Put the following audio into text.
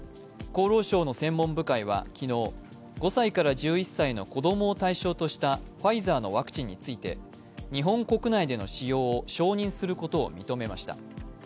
厚労省の専門部会は昨日、５歳から１１歳の子供を対象としたファイザーのワクチンについて、日本国内での使用を承認することを認めました。